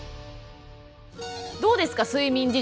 どうですか睡眠事情？